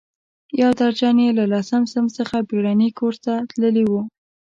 یو درجن یې له لسم صنف څخه بېړني کورس ته تللي وو.